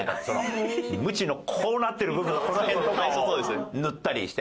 ムチのこうなってる部分この辺とかを塗ったりしてね。